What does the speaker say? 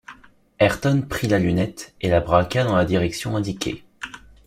Ayrton prit la lunette et la braqua dans la direction indiquée